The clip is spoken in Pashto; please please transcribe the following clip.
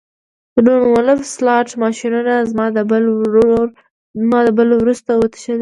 لون وولف سلاټ ماشینونه زما د بل وروسته وتښتیدل